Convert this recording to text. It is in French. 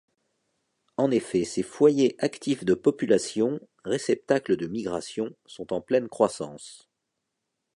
En effet, ces foyers actifs de populations, réceptacles de migrations, sont en pleine croissance.